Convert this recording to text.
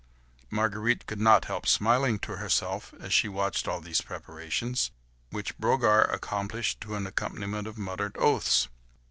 Marguerite could not help smiling to herself as she watched all these preparations, which Brogard accomplished to an accompaniment of muttered oaths.